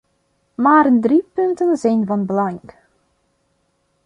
Maar drie punten zijn van belang.